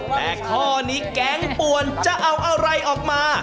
แต่ข้อนี้แก๊งป่วนจะเอาอะไรออกมา